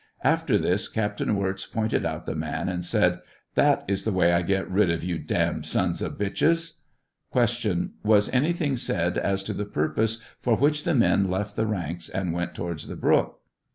After this, Captain Wirz pointed out the man, and said, " That is the way I get rid of you damned sons of bitches." Q. Was anything said as to the purpose for which the men left the ranks and went towards the brook 1 A.